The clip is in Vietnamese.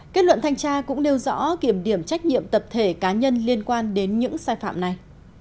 kết luận thanh tra cũng nêu rõ kiểm điểm trách nhiệm tập thể cá nhân liên quan đến những sai phạm này